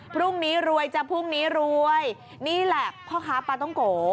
พรุ่งนี้รวยจะพรุ่งนี้รวยนี่แหละพ่อค้าปลาต้องโก